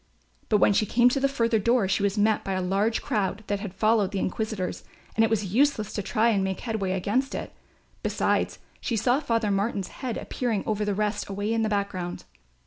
But when she came to the further door she was met by a large crowd that had followed the inquisitors and it was useless to try and make headway against it; besides she saw Father Martin's head appearing above the rest away in the background.